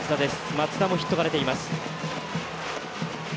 松田もヒットが出ています。